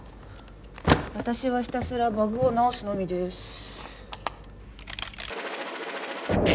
私はひたすらバグを直すのみです